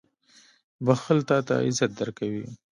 • بښل تا ته عزت درکوي.